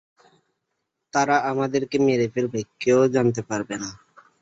তারা আমাদেরকে মেরে ফেলবে, কেউ জানতে পারবে না।